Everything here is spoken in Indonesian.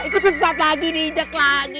ikut sesaat lagi diinjak lagi